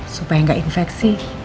supaya gak infeksi